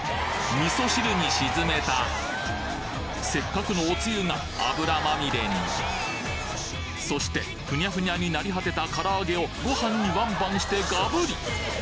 味噌汁に沈めたせっかくのおつゆが油まみれにそしてフニャフニャに成り果てたから揚げをご飯にワンバンしてガブリ！